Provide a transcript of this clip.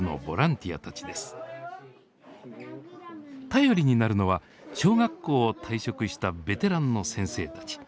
頼りになるのは小学校を退職したベテランの先生たち。